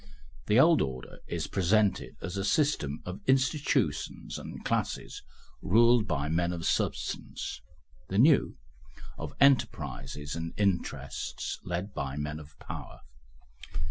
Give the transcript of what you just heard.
The old order is presented as a system of institutions and classes ruled by men of substance; the new, of enterprises and interests led by men of power.